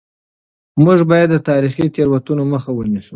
موږ باید د تاریخي تېروتنو مخه ونیسو.